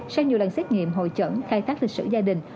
sau nhiều lần xét nghiệm hội chẩn khai thác lịch sử gia đình